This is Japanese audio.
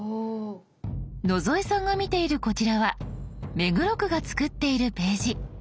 野添さんが見ているこちらは目黒区が作っているページ。